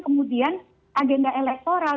kemudian agenda elektoral